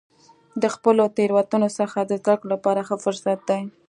د خپلو تیروتنو څخه د زده کړې لپاره ښه فرصت دی.